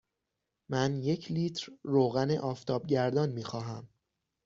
من یک لیتر روغن آفتابگردان می خواهم.